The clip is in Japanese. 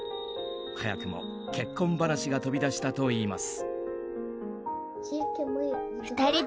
早くも結婚話が飛び出したといいます。